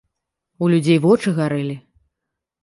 У людзей вочы гарэлі.